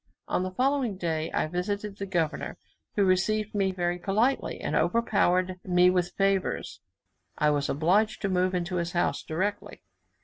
On the following day, I visited the governor, who received me very politely, and overpowered me with favours, I was obliged to move into his house directly.